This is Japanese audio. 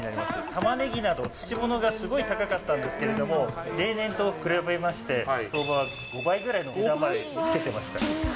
たまねぎなど、土物がすごい高かったんですけれども、例年と比べまして、相場は５倍ぐらいの値段までつけてました。